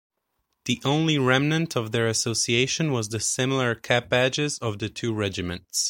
The only remnant of their association was the similar cap-badges of the two Regiments.